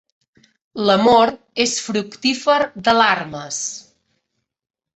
L'amor és fructífer d'alarmes.